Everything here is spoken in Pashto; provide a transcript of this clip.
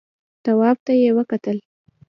تواب ته يې وکتل.